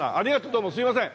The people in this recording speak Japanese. どうもすいません。